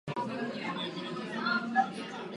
V čl.